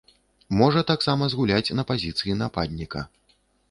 Можа таксама згуляць на пазіцыі нападніка.